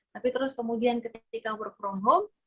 tapi terus kemudian ketika work from home